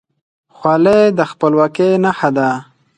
خولۍ د خپلواکۍ نښه ده.